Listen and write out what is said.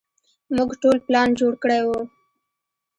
موږ ټول پلان جوړ کړى و.